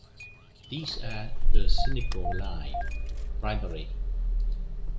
These are the cynical lie, bribery.